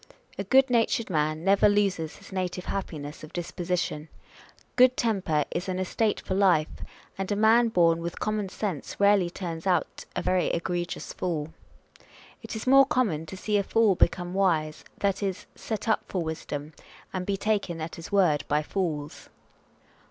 A good natured man never loses his native happiness of disposition : good temper is an estate for life ; and a man born with common sense rarely turns out a very egregious fool. It is more common to see a fool become wise, that is, set up for wisdom, and be taken at his word by fools.